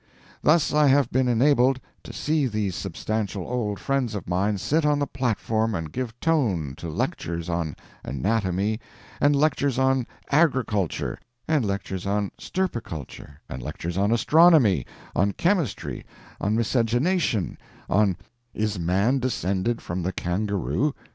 Thus I have been enabled to see these substantial old friends of mine sit on the platform and give tone to lectures on anatomy, and lectures on agriculture, and lectures on stirpiculture, and lectures on astronomy, on chemistry, on miscegenation, on "Is Man Descended from the Kangaroo?"